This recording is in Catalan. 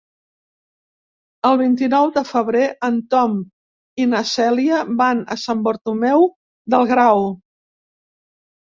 El vint-i-nou de febrer en Tom i na Cèlia van a Sant Bartomeu del Grau.